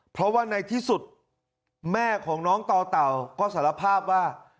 เพราะว่าในที่สุดแม่ของน้องต่อเต่าก็สารภาพว่า